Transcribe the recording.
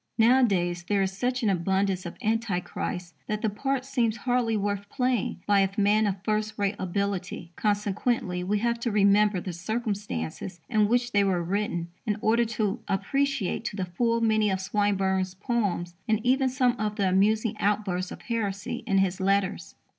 Nowadays, there is such an abundance of anti Christs that the part seems hardly worth playing by a man of first rate ability. Consequently, we have to remember the circumstances in which they were written in order to appreciate to the full many of Swinburne's poems and even some of the amusing outbursts of heresy in his letters.